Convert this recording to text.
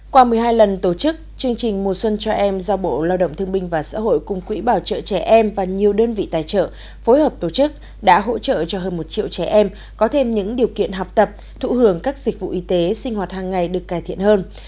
qua một mươi hai lần tổ chức chương trình mùa xuân cho em do bộ lao động thương binh và xã hội cùng quỹ bảo trợ trẻ em và nhiều đơn vị tài trợ phối hợp tổ chức đã hỗ trợ cho hơn một triệu trẻ em có thêm những điều kiện học tập thụ hưởng các dịch vụ y tế sinh hoạt hàng ngày được cải thiện hơn